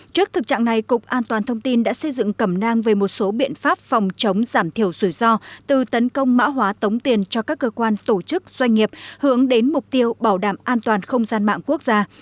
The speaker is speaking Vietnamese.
trước thực trạng này cục an toàn thông tin đã xây dựng cẩm nang về một số biện pháp phòng chống giảm thiểu rủi ro từ tấn công mã hóa tống tiền cho các cơ quan tổ chức doanh nghiệp hướng đến mục tiêu bảo đảm an toàn không gian mạng quốc gia